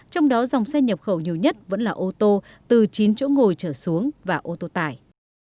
trong đó dòng xe nhập khẩu nhiều nhất vẫn là ô tô từ chín chỗ ngồi trở xuống và ô tô tải